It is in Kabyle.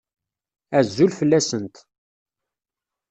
Azul fell-asent.